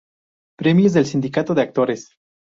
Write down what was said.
Premios del Sindicato de Actores